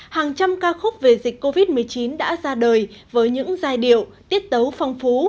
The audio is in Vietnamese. hàng trăm ca khúc về dịch covid một mươi chín đã ra đời với những giai điệu tiết tấu phong phú